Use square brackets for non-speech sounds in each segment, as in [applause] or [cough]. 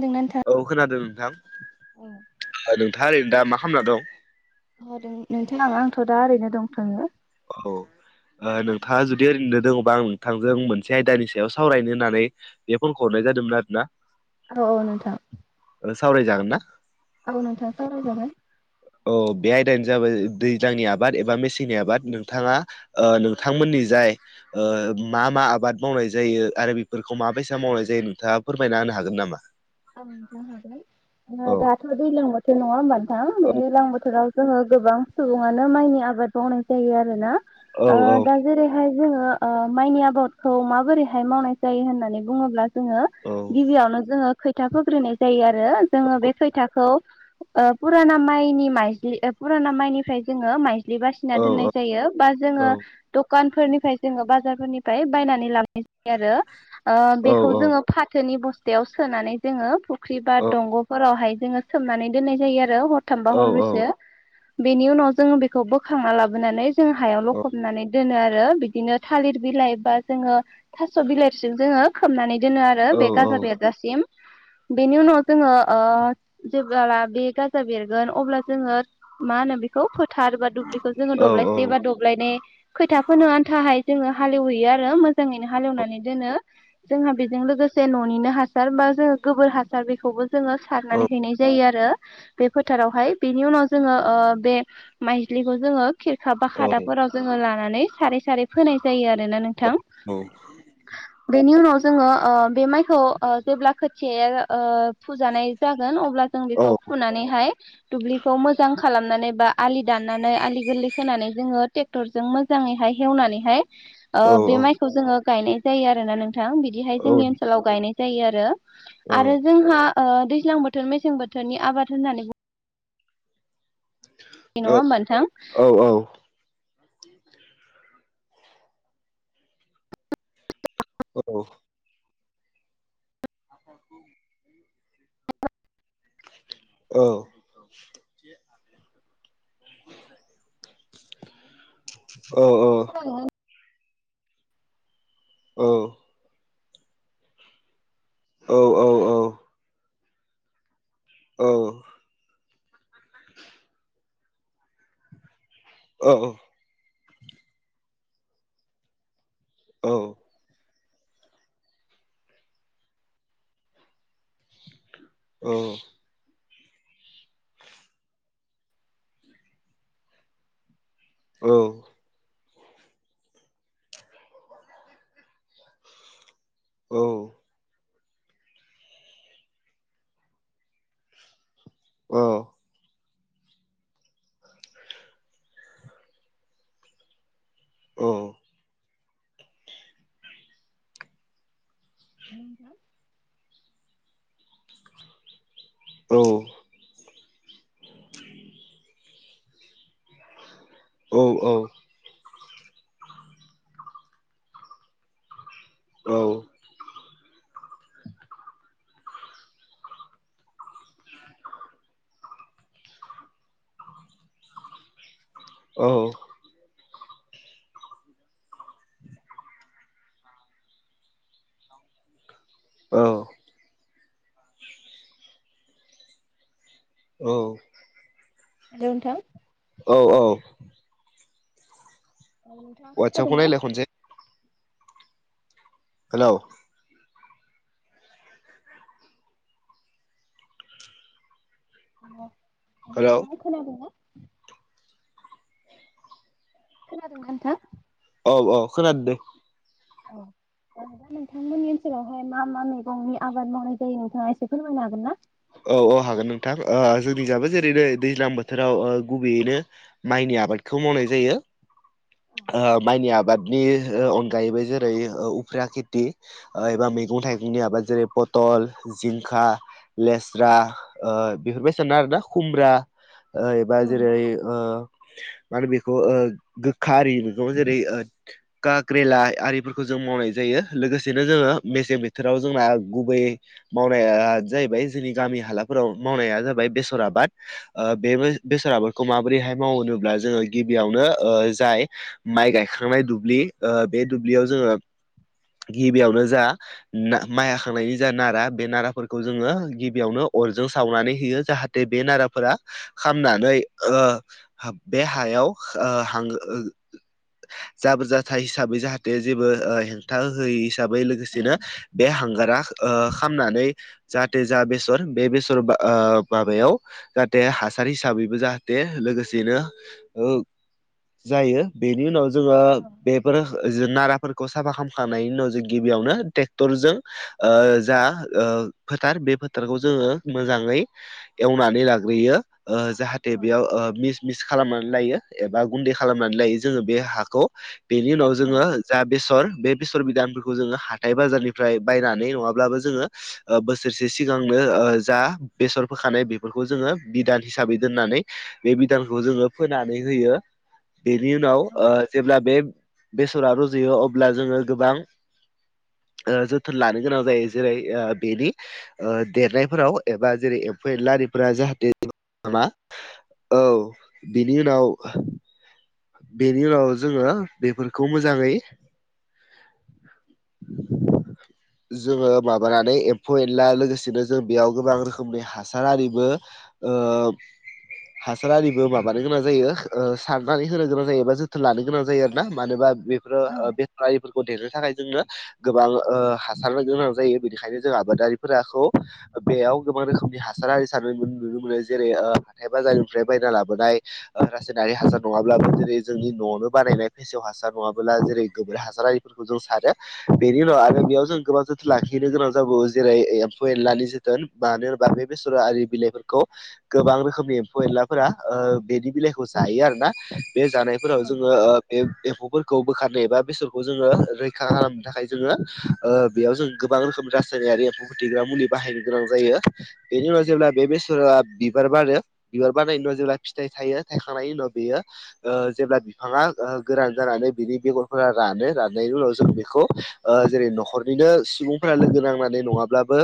होनदोंना नोंथा औ खोनादों नोंथां ओ नोंथाङा ओरैनो दा मा खालामामना दं? अ' नों-नोंथां आंथ' दा ओरैनो दंथ'यो। औ ओ नोंथाङा जुदि ओरैनो दङ'बा आं नोंथांजों मोनसे आयदानि सायाव सावरायनो होननानै बे फनखौ हरनाय जादोंमोन आरोना औ औ नोंथां। ओ सावरायजागोन ना? औ नोंथां सावरायजागोन। औ बे आयदायानो जाबाय दैज्लांनि आबाद एबा मेसेंनि आबाद नोंथाङा ओ नोंथांमोननि जाय ओ मा मा आबाद मावनाय जायो आरो बेफोरखौ मा बेैसा मावनाय जायो नोंथाङा फोरमायना होनो हागोन नामा? औ नोंथां हाबाय ओ औ दाथ' दैज्लां बो थोर नङा होमबा नोंथां बे औ दैज्लां बोथोराव जोङो गोबां सुबुंआनो माइनि आबाद मावनाय जायो आरोना औ ओ औ दा जेरैहाय जोङो ओ माइनि आबादखौ माबोरैहाय मावनाय जायो होननानै बुङोब्ला? जोङो औ गिबियावनो जोङो खैथा फोग्रोननाय जायो आरो जोङो बे खैथाखौ ओ पुराना माइनि माइज्लि ओ पुराना माइनिफ्राय जोङो माइ लि बासिना औ दोननाय जायो बा औ जोङो दखानफोरनिफ्राय जोङो बाजारफोरनिफ्राय बायनानै लाबो [unintelligible] आरो औ बेखौ जोङो फाथोनि बस्थायाव सोनानै जोङो फुख्रि बा दंग'फोरावहाय जोङो सोमनानै दोननाय जायो आरो हरथामबा औ हरब्रैसो। बेनि उनाव जोङो बेखौ बोखांना लाबोनानै जों हायाव औ लखबनानै दोनो आरो बिदिनो थालिर बिलाइ बा जोङो थास' बिलाइसो जोङो खोबनानै दोनो आरो औ बे गाजा बेर सिम बेनि उनाव जोङो ओ जेब्ला बे गाजा बेरगोन अब्ला जोङो मा होनो बेखौ फोथारबा दुब्लिखौ जोङो दब्लायसे बा दब ब्लायनै खोथा फोनो आन्थाहाय जोङो हालेवहैयो आरो मोजाङैनो हालेवनानै दोनो। जोंहा बेजों लोगोसे न'निनो हा हासार बा जोङो गोबोर हासार बेखौबो जोङो सारनानै हैनाय जायो आरो। बे फोथारावहाय बेनि उनाव जोङो ओ बे माइज्लिखौ जोङो खिरखा बा औ खादाफोराव जोंङो लानानै सारै सारै फोनाय जायो आरोना नोंथां। औ बेनि उनाव जोंङो ओ बे माइखौ ओ जेब्ला खोथियाया ओ फुजानाय जागोन अब ब्ला जों औ बेखौ फुनानैहाय दुब्लिखौ मोजां खा लामनानै बा आलि दाननानै आलि गोरलै खोनानै जोङो टेक्टरजों मोजाङैहाय हेवनानैहाय ओ बे माइखौ जोङो गायनाय जायो आरो ना नोंथां बिदिहाय जोंनि ओनसोलाव गायनाय जायो आरो। आरो जोंहा ओ दैज्लां बोथोर मेसें बोथोरनि आबाद होननानै बुं नंङा होमबा नोंथां? औ औ। औ। [inaudible] औ। [inaudible] औ औ। औ। औ। औ औ। औ। अ अ। औ। औ। औ। औ। औ। औ। [unintelligible] औ। औ औ। औ। औ। [inaudible] औ। औ। हेल' नोंथां। औ औ। अवाटसापखौ नायलाय खनसे। हेल'। अ। हेल'। खोनादों ना? खोनादोंना नोंथां? अ अ खोनादों दे। अ। दा नोंथांमोननि ओनसोलावहाय मा मा मैगंनि आबाद मावनाय जायो नोंथाङा एसे फोरमायनो हागोन ना? औ औ हागोन नोंथां ओ जोंनि जाबो जेरैनो दैज्लां बोथोराव गुबैयैनो माइनि आबादखौ मावनाय जायो ओ माइनि आबादनि अनगायैबो ज ओरै उफ्रिया खेथि ओ एबा मैगं थाइगंनि आबाद जेरै पथल जिंखा लेस्रा ओ बेफोरबायसानो आरोना खुमब्रा ओ एबा जेरै ओ माने बेखौ ओ गोखा आरिनि मैगङाव जेरै काग्रेला आरिफोरखौ जों मावनाय जायो लोगोसेनो जोङो मेसें बोथोराव जोंना गुबै मावनाया जाहैबाय जोंनि गामि हालाफोराव मावनाया जाबाय बेसर आबाद ओ बे बेसर आबादखौ माबोरैहाय मावो होनोब्ला जोङो गिबियावनो ओ जाय माइ गायखांनाय दुब्लि ओ बे दुब्लियाव जोंङो गिबियावनो जा माइ हाखांनायनि जा नारा बे नाराफोरखौ जोंङो गिबियावनो अरजों सावनानै होयो जाहाथे बे नाराफोरा खामनानै ओ बे हाब हायाव ओ हां जाबोर जाथाइ हिसाबै जाहाथे जेबो ओ हेंथा होयै हिसाबै लो लोगोसेनो बे हांगारा ओ खालामनानै जाहाथे जा बेसर बे बेसर ओ माबायाव जाहाथे हासार हिसाबैबो जाहाथे लोगोसेनो ओ जायो बेनि उनाव जोङो बेफोर ज नाराफोर खौ साफा खालामखांनायनि उनाव जों गिबियावनो ट्रेक्टरजों ओ जा ओ फोथार बे फोथारखौ जोङो मोजाङै एवनानै लाग्रोयो ओ जाहाथे बेयाव ओ मिस मिस खालामनानै लायो एबा गुन्दै खालामनानै लायो जोङो बे हाखौ बेनि उनाव जोङो जा बेसर बे बेसर बिदानफोरखौ जोङो हाथाय बाजारनिफ्राय बायनानै नङाब्लाबो जोङो बोसोरसे जे सिगांनो जा बेसर फोखानाय बेफोरखौ जोङो बिधान हिसाबै दोननानै बे बिधानखौ जोङो फोनानै होयो बेनि उनाव ओ जेब्ला बे बेसरा रजयो अब्ला जोङो गोबां ओ जोथोन लानो गोनां जायो जेरै ओ बेनि ओ देरनायफोराव एबा जेरै एम्फौ एनला आरिफोरा जाहाथे जेबो खालामा औ बिनि उनाव बेनि उनाव जोङो बेफोरखौ मोजाङै जोङो माबानानै एम्फौ एनला लोगोसेनो जों बेयाव गोबां रोखोमनि हासार आरिबो ओ हासार आरिबो माबानो गोनां जायो सारनानै होनो गोनां जायो एबा जोथोन लानो गोनां जायो आरो ना मानोना बेफोरो बेफरारिफोरखौ देरनो थाखाय जोङो गोबां हासारनो गोनां जायो बेनिखायनो जों आबादारिफोराखौ बेयाव गोबां रोखोमनि हासार आरि सारनाय नुनो मोनो जेरै हाथाय बाजारनिफ्राय बायना लाबोनाय रासायनारि हासार नङा अब्लाबो जेरै जोंनि न'आवनो बानायनाय फेसेव हासार नङाबोला जेरै गोबोर हासार आरारिफोरखौ जों सारो बेेनि उनाव आरो बेयाव जों गोबां जोथोन लाखि गोनां जाबो जेरै एम्फौ एनलानि जोथोन मानो होनोबा बे बेसरा आरि बिलाइफोरखौ गोबां रोखोमनि एम्फौ एनलाफोरा ओ बेनि बिलाइखौ जायो आरो ना बे जानायफोराव जोङो बे एम्फौफोरखौ बोखारनो एबा बेसरखौ जोङो रैखा खालामनो थाखाय जोङो ओ बेयाव जों गोबां रोखोमनि रासायनारि एम्फौ फोथेग्रा मुलि बाहायनो गोनां जायो बेनि उनाव जेब्ला बे बेसरा बिबार बारो बिबार बानायनायनि उनाव जेब्ला फिथाइ थायो थायखांनायनि उनाव बेयो ओ जेब्ला बिफाङा गोरान जानानै बिनि बेगरफोरा रानो राननायनि उनाव जों बेखौ ओ जेरै न'खरनिनो सुबुंफोरा लोगो नांनानै नङाब्लाबो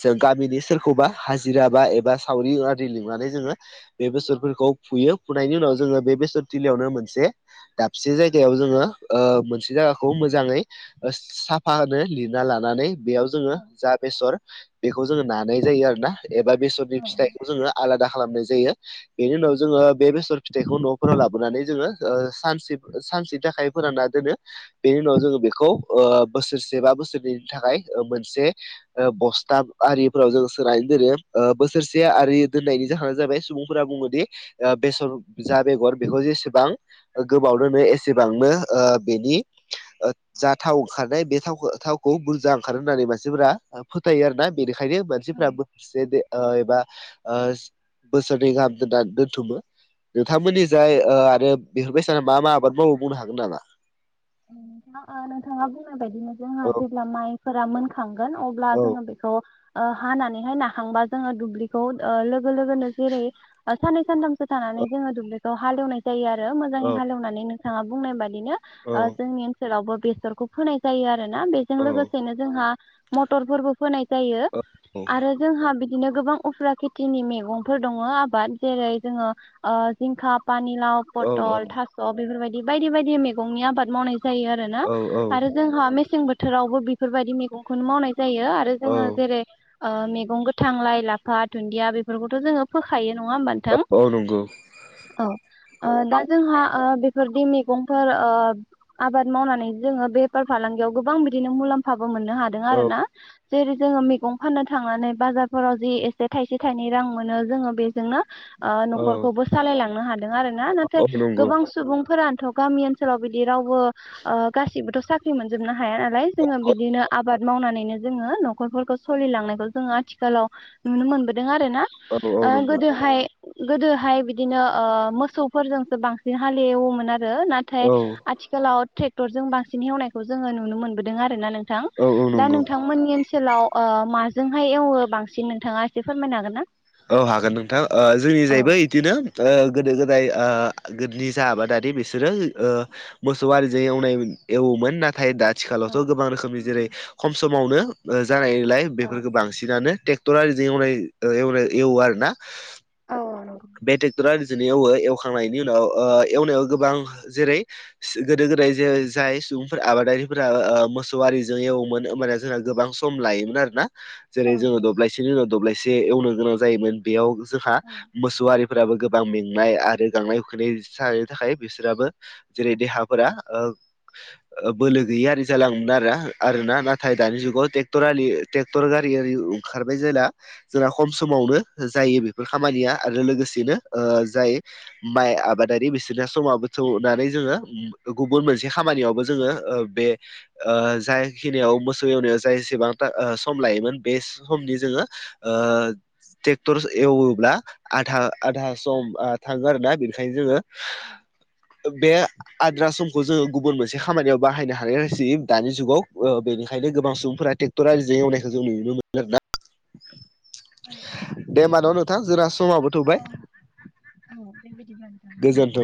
जों गामिनि सोरखौबा हाजिरा बा एबा सावरि आरि लिंनानै जोङो बे बेसर फोरखौ फुयो फुनायनि उनाव जोङो बे बेसर थिलियावनो मोनसे दाबसे जायगायाव जोङो ओ मोनसे जायगाखौ मोजाङै साफा होनो लिरना लानानै बेयाव जोङो जा बेसर बेखौ जोङो नानाय जायो आरो ना एबा बेसरनि फिथाइखौ जोङो आलादा खालामनाय जायो बेनि उनाव जोङो बे बेसर फिथाइखौ न'फोराव लाबोनानै जोङो ओ सानसे -सानसेनि थाखाय फोरानना दोनो बेनि उनाव जोङो बेखौ ओ बोसोरसे बा बोसोरनैनि थाखाय मोनसे ओ बस्था आरिफोराव जों सोनानै दोनो बोसोरसे आरि दोननायनि जाहोना जाबाय सुबुं फोरा बुङोदि ओ बेसर जा बेगर बेखौ जेसेबां गोबाव दोनो एसेबांनो ओ बेनि ओ जा थाव ओंखारनाय बे थाव थावखौ बुरजा ओंखारो होननानै मानसिफोरा फोथायो आरो ना बेनिखायनो मानसिफ्राबो माखासे एबा ओ बोसोरनै गाहाम दोननानै दोनथुमो नोंथांमोननि जाय ओ आरो बेफोर बायसिना मा मा आबाद मावो बुंनो हागोन नामा? नोंथाङा नोंथाङा बुंनाय बायदिनो जोंहा औ जेब्ला माइफोरा मोनखां खांगोन अब्ला औ जोङो बेखौ ओ हानानैहाय लाखांबा जोङो दुब्लिखौ ओ लोगो- लोगोनो जेरै साननै सानथामसो औ थानानै जोङो दुब्लिखौ हालेवनाय जायो आरो औ मोजाङै हालेवनानै नोंथाङा बुंनाय बायदिनो ओ जोंनि ओनसोलावबो बेसरखौ फोनाय जायो आरोना बेजों औ लोगोसेनो जोंहा मथरफोरबो फोनाय जायो आरो जोंहा बिदिनो गोबां उफ्रा खेथिनि मैगंफोर दङ आबाद जेरै जोङो आ जिंखा पानि लाव औ पथल थास' बेफोरबायदि बायदि बायदि मैगंनि आबाद मावनाय जायो आरो ना औ औ आरो जोंहा मेसें बोथोरावबो बेफोरबायदि मैगंखौनो मावनाय जायो आरो जोङो औ जेरै ओ मैगं गोथां लाइ लाफा दुन्दिया बेफोरखौथ' जोङो फोखायो नङा होमबा नों औ थां औ नंगौ औ ओ दा जोंहा ओ बेफोरदि मैगंफोर ओ आबाद मावनानै जोङो बेफार फालांगियाव गोबां बिदिनो मुलाम्फाबो मोननो हादों औ आरो ना। जेरै जोङो मैगं फाननो थांनानै बाजारफोराव जि एसे थायसे थाइनै रां मोनो जोङो बेजोंनो ओ औ न'खरखौबो सालायलांनो हादों आरो ना नाथाय औ नंगौ गोबां सुबुंफोरानोथ' गामि ओनसोलाव बिदि रावबो ओ गासिबोथ' साख्रि मोनजोबनो हाया नालाय जोङो बिदिनो आबाद मावनानैनो जोङो न'खरफोरखौ सोलिलांनायखौ जोङो आथिखालाव नुनो मोनबोदों आरो ना। औ औ ओ नंगौ गोदोहाय गोदोहाय बिदिनो ओ मोसौफोरजोंसो बांसिन हालेवोमोन आरो नाथाय औ आथिखालाव ट्रेक्टरजों बांसिन हेवनायखौ जोङो नुनो मोनबोदों आर ना नोंथां औ दा नंगौ नोंथां मोननि ओनसोलाव ओ माजोंहाय एवो बांसिन नोंथाङा एसे फोरमायनो हागोन ना? औ हागोन नोंथां ओ जोंनि जाहैबाय बिदिनो ओ गोदो गोदाय ओ गोदोनि जा आबादारि बिसोरो ओ मोसौ आरिजों एवनाय एवोमोन नाथाय दा आथिखालावथ' गोबां रोखोमनि जेरै खम समावनो जानायलाय बेफोरखौ बांसिनानो ट्रेक्टर आरिजों एवनाय एवनाय एवो आरो ना औ बे ट्रेक्टरा बिदिनो एवो एवखांनायनि उनाव ओ एवनायाव गोबां जेरै गोदो गोदाय जे जाय सुबुंफोरा आबादारिफोरा मोसौ आरिजों एवोमोन ओमबाना जोंना गोबां सम लायोमोन आरोना। जेरै जोङो दब्लायसेनि उनाव दब्लायसे एवनो गोनां जायोमोन बेयाव जोंहा गवारिफोराबो गोबां मेंनाय आरो गांनाय उखैनाय जनो थाखाय बिसोराबो जेरै देहाफोरा ओ बोलो गैय आरो जालाङोमोन आरोना आरोना नाथाय दानि जुगाव टेक्टर ट्रेक्टर गारि आरि ओंखारबाय जेला जोंना खम समावनो जायो बेफोर खामानिया आरो लोगोसेनो ओ जाय माइ आबादारि बिसोरना समावबो थौनानै जोङो गुबुन मोनसे खामानियावबो जोङो ओ बे ओ जायखिनियाव मोसौ एवनायाव जायसेबांथा सम लायोमोन बे समनि जोङो ओ ट्रेक्टर एवोब्ला आधा आधा सम आ थाङो आरोना बेनिखायनो जोङो बे आद्रा समखौ जोङो गुबुन मोनसे खामानियाव बाहायनो हानाया बायसि दानि जुगाव बेनिखायनो ओ गोबां सुबुंफोराे टेक रायजो एवनायखौ जों नुनो मोनो आरोना दे मानाव नोंथा जों औ औ दे बिदिब्ला नोंथां गोजोन्थों।